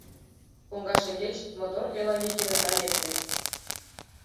Коҥга шеҥгеч мотор Элавий кенета лекте.